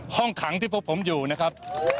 ห้องขังที่พบผมอยู่นะครับ